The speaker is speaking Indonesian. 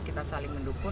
kita saling mendukung